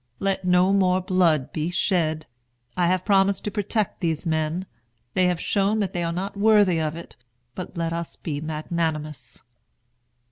Let no more blood be shed! I have promised to protect these men. They have shown that they are not worthy of it; but let us be magnanimous."